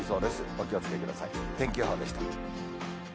お気をつけください。